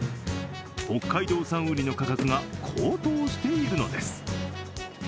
北海道産ウニの価格が高騰しているのです。